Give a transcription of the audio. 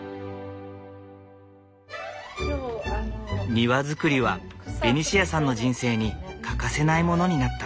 庭造りはベニシアさんの人生に欠かせないものになった。